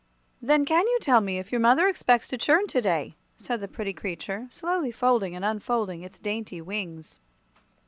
"Then can you tell me if your mother expects to churn to day," said the pretty creature, slowly folding and unfolding its dainty wings.